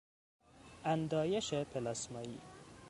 اندایش پلاسمایی